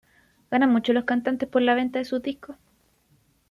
¿Ganan mucho los cantantes por la venta de sus discos?